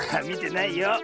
みてないよ。